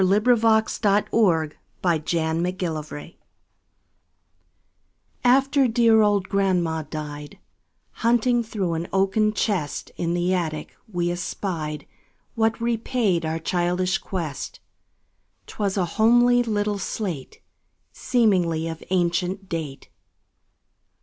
Eugene Field Little Homer's Slate AFTER dear old grandma died, Hunting through an oaken chest In the attic, we espied What repaid our childish quest; 'Twas a homely little slate, Seemingly of ancient date.